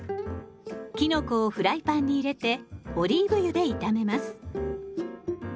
きのこをフライパンに入れてオリーブ油で炒めます。